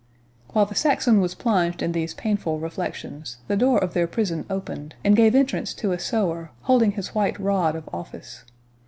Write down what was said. While the Saxon was plunged in these painful reflections, the door of their prison opened, and gave entrance to a sewer, holding his white rod of office.